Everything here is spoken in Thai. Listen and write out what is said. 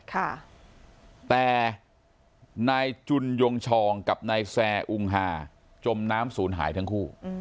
แต่นายจุนยงชองกับนายแซ่อุงฮาจมน้ำศูนย์หายทั้งคู่